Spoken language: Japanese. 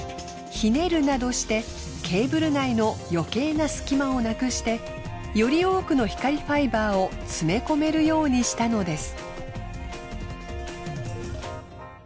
ひねるなどしてケーブル内の余計なすき間をなくしてより多くの光ファイバーを詰め込めるようにしたのです。